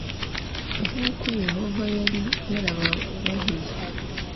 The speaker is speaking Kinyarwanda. nk’uko Yehova yari yarabarahiye.